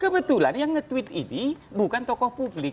kebetulan yang nge tweet ini bukan tokoh publik